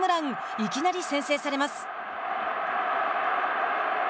いきなり先制されます。